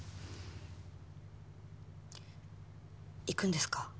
行くんですか？